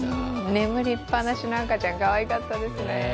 眠りっぱなしの赤ちゃんかわいかったですね。